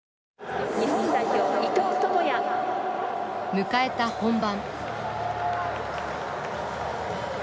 迎えた本番。